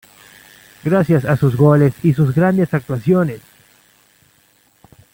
Gracias a sus goles y sus grandes actuaciones.